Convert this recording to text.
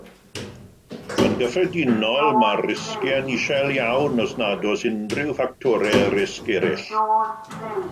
Yn gyffredinol, mae'r risgiau'n isel iawn os nad oes unrhyw ffactorau risg eraill.